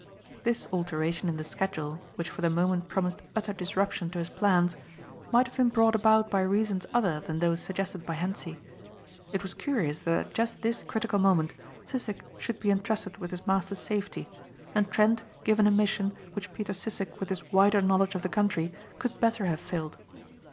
This alteration in the schedule which for the moment promised utter disruption to his plans might have been brought about by reasons other than those suggested by Hentzi. It was curious that at just this critical moment Sissek should be entrusted with his master's safety and Trent given a mission which Peter Sissek with his wider knowledge of the country could better have filled.